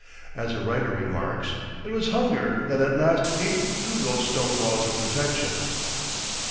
As a writer remarks: "It was hunger that at last ate through those stone walls of protection!"